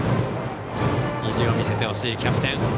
意地を見せてほしい、キャプテン。